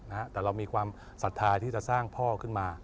นะฮะแต่เรามีความศรัทธาที่จะสร้างพ่อขึ้นมา